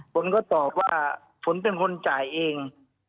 ฝนก็ตอบว่าฝนเป็นคนจ่ายเอง